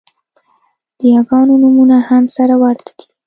د یاګانو نومونه هم سره ورته دي